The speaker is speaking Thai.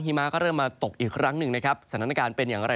มาก็เริ่มมาตกอีกครั้งหนึ่งนะครับสถานการณ์เป็นอย่างไร